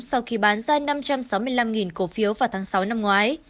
sau khi bán ra năm trăm sáu mươi năm cổ phiếu vào tháng sáu năm ngoái